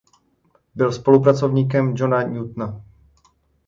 Byl spolupracovníkem Johna Newtona.